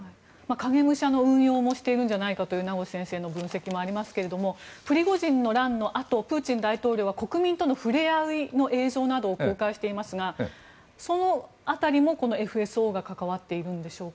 影武者の運用もしているんじゃないかという名越先生の分析もありますがプリゴジンの乱のあとプーチン大統領は国民との触れ合いの映像などを公開していますがその辺りも、そのＦＳＯが関わっているんでしょうか。